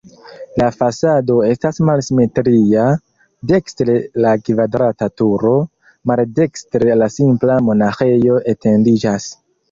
La fasado estas malsimetria, dekstre la kvadrata turo, maldekstre la simpla monaĥejo etendiĝas.